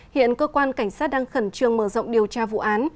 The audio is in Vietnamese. hiện cơ quan cảnh sát đang khẩn trương mở rộng điều tra vụ án